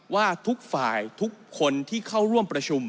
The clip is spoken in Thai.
ว่าทุกฝ่ายทุกคนที่เข้าร่วมประชุม